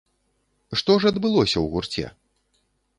Што ж адбылося ў гурце?